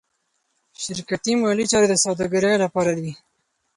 شرکتي مالي چارې د سوداګرۍ لپاره دي.